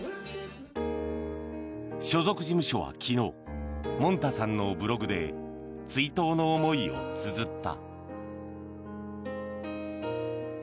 所属事務所は昨日もんたさんのブログで追悼の思いをつづった。